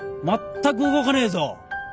全く動かねえぞ。